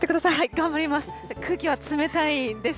頑張ります。